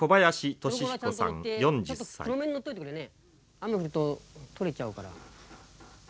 雨降ると取れちゃうから。